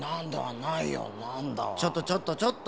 ちょっとちょっとちょっと。